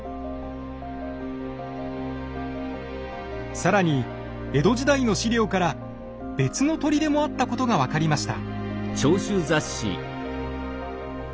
更に江戸時代の史料から別の砦もあったことが分かりました。